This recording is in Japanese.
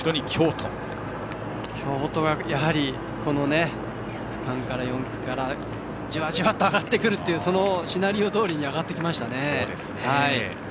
京都はやはり３区、４区からじわじわと上がってくるというシナリオどおりに上がってきましたね。